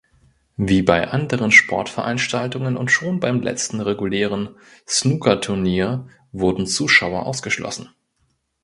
Wie bei anderen Sportveranstaltungen und schon beim letzten regulären Snookerturnier wurden Zuschauer ausgeschlossen.